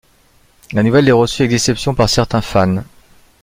La nouvelle est reçue avec déception par certains fans.